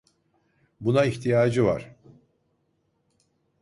Buna ihtiyacı var.